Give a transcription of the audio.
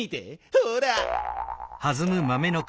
ほら！